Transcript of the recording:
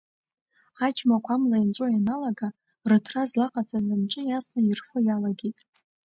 Аџьмақәа амла инҵәо ианалага, рҭра злаҟаҵаз амҿы иасны ирфо иалагеит.